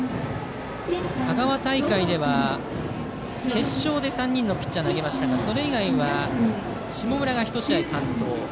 香川大会では決勝で３人のピッチャーが投げましたがそれ以外は下村が１試合担当。